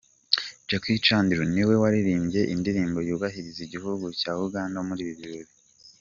Jackie Chandiru niwe waririmbye indirimbo yubahiriza igihugu cya Uganda muri ibi birori.